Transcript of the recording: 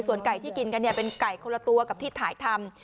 ส่วนไก่ที่กินกันเนี่ยเป็นไก่คนละตัวกับที่ถ่ายทำ